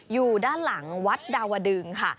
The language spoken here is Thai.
อยู่ด้านหลังวัดดาวดึงค่ะ